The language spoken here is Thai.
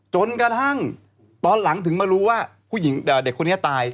จนกระทั่งตอนหลังถึงมารู้ว่าผู้หญิงเด็กคนนี้ตาย